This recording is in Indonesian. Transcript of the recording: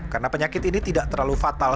karena penyakit ini tidak terlalu fatal